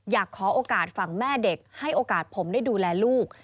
อยากขอโอกาสฝั่งแม่เด็กให้โอกาสผมได้ดูแลลูก